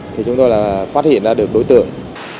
thì chúng tôi là phát hiện ra được đối tượng